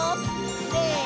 せの！